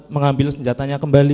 mengambil senjatanya kembali